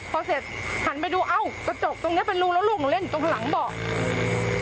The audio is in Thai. พอเสร็จหันไปดูเอ้ากระจกตรงนี้เป็นรูแล้วลูกหนูเล่นตรงหลังเบาะ